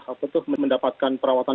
atau itu mendapatkan perawatan